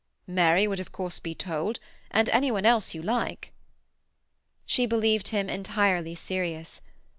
"Mary would of course be told, and any one else you like." She believed him entirely serious.